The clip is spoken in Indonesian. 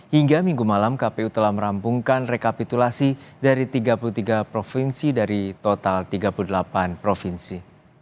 hingga minggu malam kpu telah merampungkan rekapitulasi dari tiga puluh tiga provinsi dari total tiga puluh delapan provinsi